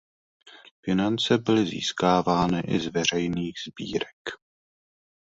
Finance byly získávány i z veřejných sbírek.